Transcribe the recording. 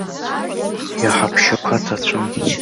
Иҳаԥшьақәа ҭацәын.